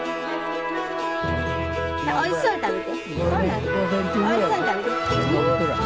おいしそうに食べて！